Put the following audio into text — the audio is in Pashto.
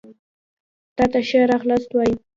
تاته ښه راغلاست وايو